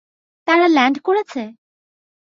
তারা ল্যান্ড করেছে?